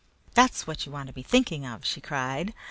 "That's what you want to be thinking of!" she cried.